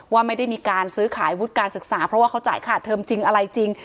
ว่าไม่ได้มีการซื้อขายวุฒิการศึกษาเพราะว่าเขาจ่ายค่าเทอมจริงอะไรจริง